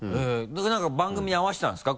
なんか番組に合わせたんですか？